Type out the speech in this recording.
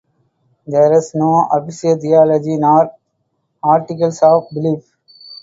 There is no official theology, nor articles of belief.